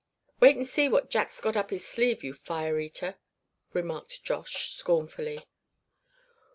"Wait and see what Jack's got up his sleeve, you fire eater!" remarked Josh, scornfully.